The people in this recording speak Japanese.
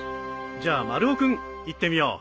じゃあ丸尾君いってみよう。